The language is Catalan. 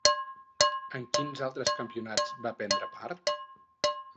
En quins altres campionats va prendre part?